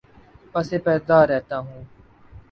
پس پردہ رہتا ہوں